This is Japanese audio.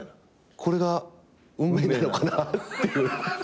これが運命なのかなっていう。